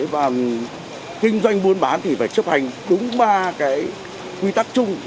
và kinh doanh buôn bán thì phải chấp hành đúng ba cái quy tắc chung